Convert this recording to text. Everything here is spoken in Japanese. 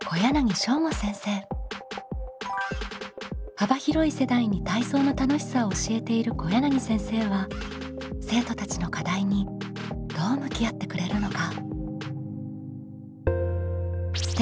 幅広い世代に体操の楽しさを教えている小柳先生は生徒たちの課題にどう向き合ってくれるのか？